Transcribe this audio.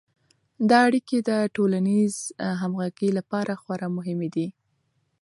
دا اړیکې د ټولنیز همغږي لپاره خورا مهمې دي.